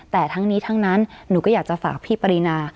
แต่ทั้งนี้ทั้งนั้นหนูก็อยากจะฝากพี่ปรินา